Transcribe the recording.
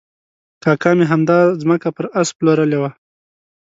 کاکا مې همدا ځمکه پر آس پلورلې وه.